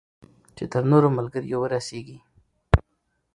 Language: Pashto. چې تر نورو ملګرو ورسیږي.